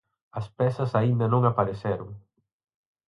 As pezas aínda non apareceron.